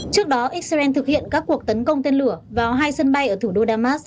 trước đó israel thực hiện các cuộc tấn công tên lửa vào hai sân bay ở thủ đô damas